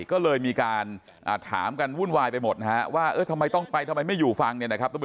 ก็เลยมีการถามกันวุ่นวายไปหมดว่าทำไมต้องไปทำไมไม่อยู่ฟัง